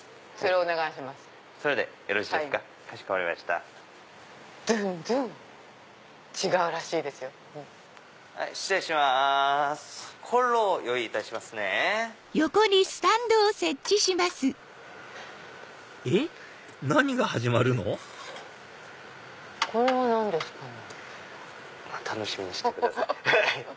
お楽しみにしてください。